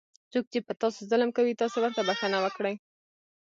څوک چې په تاسو ظلم کوي تاسې ورته بښنه وکړئ.